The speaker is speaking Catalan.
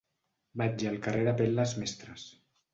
Vaig al carrer d'Apel·les Mestres.